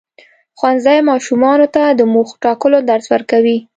ښوونځی ماشومانو ته د موخو ټاکلو درس ورکوي.